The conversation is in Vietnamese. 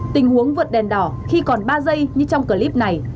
tình huống vượt đèn đỏ khi còn ba giây như trong clip này